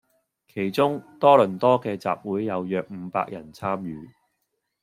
其中多倫多既集會有約伍百人參與